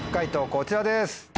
こちらです。